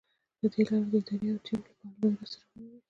له دې لارې د ادارې او ټيم لپاره لویې لاسته راوړنې ولرئ.